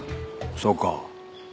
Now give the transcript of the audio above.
そうか。